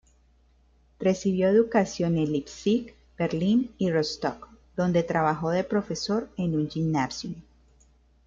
Recibió educación en Leipzig, Berlín y Rostock, donde trabajó de profesor en un gymnasium.